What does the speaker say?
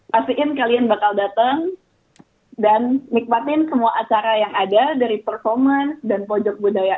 pastiin kalian bakal datang dan nikmatin semua acara yang ada dari performance dan pojok budaya